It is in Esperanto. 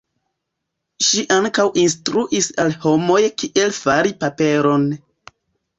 Ŝi ankaŭ instruis al homoj kiel fari paperon.